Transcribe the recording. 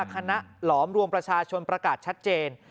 หลอมรวมประชาชนประกาศชัดเจน